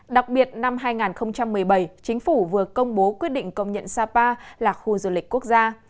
đặc biệt năm hai nghìn một mươi bảy chính phủ vừa công bố quyết định công nhận sapa là khu du lịch quốc gia